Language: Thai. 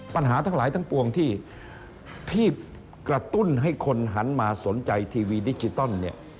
ปัญหาทั้งหลายทั้งปวงที่กระตุ้นให้คนหันมาสนใจทีวีดิจิตอลเนี่ย